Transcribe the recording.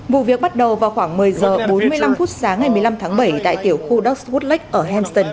vụ việc bắt đầu vào khoảng một mươi giờ bốn mươi năm phút sáng ngày một mươi năm tháng bảy tại tiểu khu docks woodlake ở henson